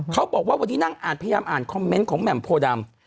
เขาบอกว่าวันนี้นั่งอ่านพยายามอ่านคอมเมนต์ของแหม่มโพดำ